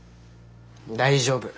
大丈夫。